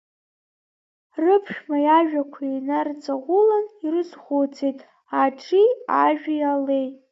Рыԥшәма иажәақәа инарҵаулан ирызхәыцит Аҽи, Ажәи, Алеи.